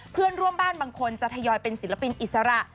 เพื่อนร่วมบ้านบางคนจะทยอยเป็นศิลปินอิสระ